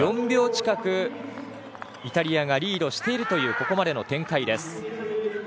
４秒近くイタリアがリードしているというここまでの展開。